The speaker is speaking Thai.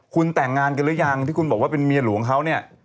คุณแต่งงานกันหรือยังที่คุณบอกว่าเป็นเมียหลวงเขาเนี่ย